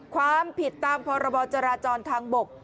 ความผิดตามพรบจราจรทางบก